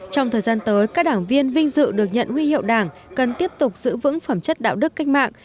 trong thời gian tới các đảng viên vinh dự được nhận huy hiệu đảng cần tiếp tục giữ vững phẩm chất đạo đức cách mạng